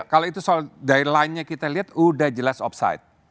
kalau itu soal di line nya kita lihat sudah jelas offside